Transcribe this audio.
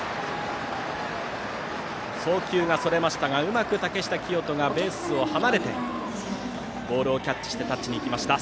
送球がそれましたがうまく竹下聖人がベースを離れてボールをキャッチしてタッチに行きました。